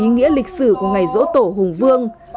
nghĩa lịch sử của ngày dỗ tổ hùng vương